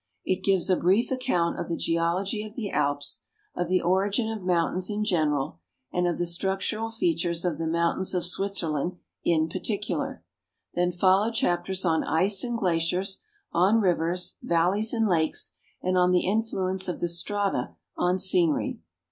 It gives a brief account of the geology of the Alps, of the origin of moun tains in general, and of the structural features of the mountains of Switzer land in ijarticular ; then follow chapters on ice and glaciers, on rivers, val leys, and lakes, and on the influence of the strata on scenery.